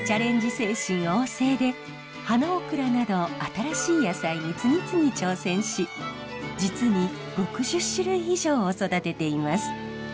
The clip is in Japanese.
精神旺盛で花オクラなど新しい野菜に次々挑戦し実に６０種類以上を育てています。